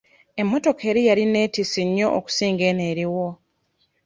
Emmotoka eri yali neetissi nnyo okusinga eno eriwo.